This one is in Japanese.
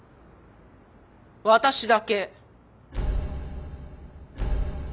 私だけ。